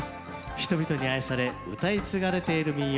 人々に愛されうたい継がれている民謡。